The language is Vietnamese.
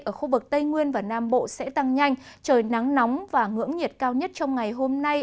ở khu vực tây nguyên và nam bộ sẽ tăng nhanh trời nắng nóng và ngưỡng nhiệt cao nhất trong ngày hôm nay